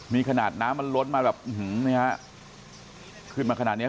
นี่ขนาดน้ำมันล้นมาแบบขึ้นมาขนาดเนี้ย